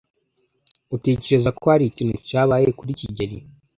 Utekereza ko hari ikintu cyabaye kuri kigeli?